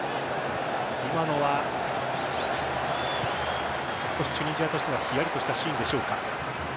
今のは少しチュニジアとしてはヒヤリとしたシーンでしょうか。